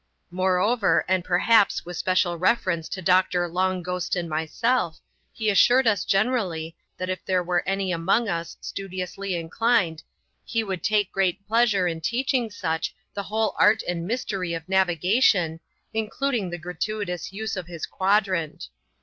Moreover, and perhaps with special reference to Doctor Long Ghost and myself, he assured us generally, that if there were any among us studiously inclined, he would take great pleasure in teaching such the whole art and mystery of naviga* tion, including the gratuitous use of his quadrant.